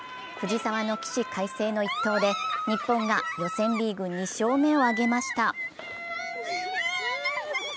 藤澤の起死回生の一投で日本が予選リーグ２勝目を挙げました。